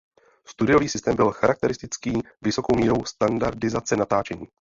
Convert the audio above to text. Studiový systém byl charakteristický vysokou mírou standardizace natáčení.